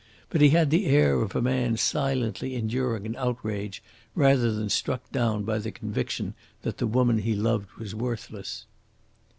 But he had the air of a man silently enduring an outrage rather than struck down by the conviction that the woman he loved was worthless.